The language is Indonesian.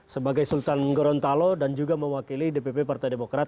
sebagai sultan gorontalo dan juga mewakili dpp partai demokrat